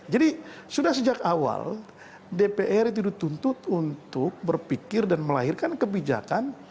jadi sudah sejak awal dpr itu dituntut untuk berpikir dan melahirkan kebijakan